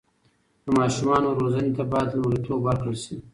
د ماشومانو روزنې ته باید لومړیتوب ورکړل سي.